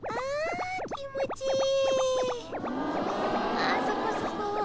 ああそこそこ。